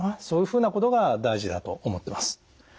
そういうふうなことが大事だと思ってます。